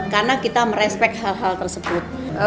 karena kita merespek hal hal tersebut